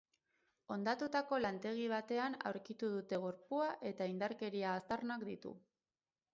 Hondatutako lantegi batean aurkitu dute gorpua eta indarkeria aztarnak ditu.